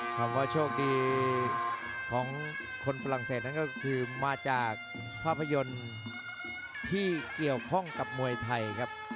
คำว่าโชคดีของคนฝรั่งเศสนั่นก็คือมาจากภาพยนตร์ที่เกี่ยวข้องกับมวยไทยครับ